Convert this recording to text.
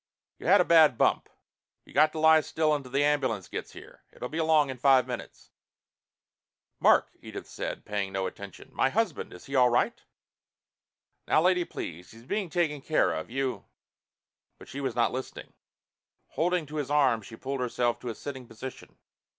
"You had a bad bump. You got to lie still until the ambulance gets here. It'll be along in five minutes." "Mark," Edith said, paying no attention. "My husband! Is he all right?" "Now lady, please. He's being taken care of. You " But she was not listening. Holding to his arm she pulled herself to a sitting position.